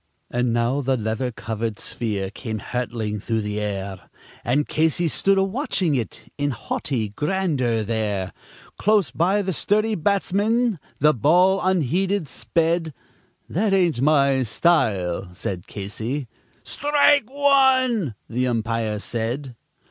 And now the leather covered sphere came hurtling through the air, And Casey stood a watching it in haughty grandeur there; Close by the sturdy batsman the ball unheeded sped: "That ain't my style," said Casey. "Strike one," the umpire said.